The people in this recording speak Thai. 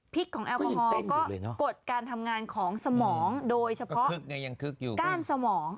ของแอลกอฮอล์ก็กดการทำงานของสมองโดยเฉพาะก้านสมอง